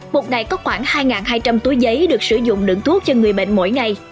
một ngày có khoảng hai hai trăm linh túi giấy được sử dụng đựng thuốc cho người bệnh mỗi ngày